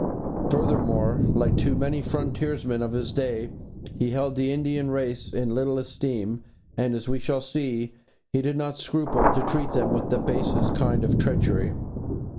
Furthermore, like too many frontiersmen of his day, he held the Indian race in little esteem and, as we shall see, he did not scruple to treat them with the basest kind of treachery.